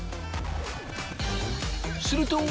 すると。